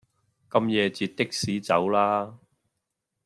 咁夜截的士走啦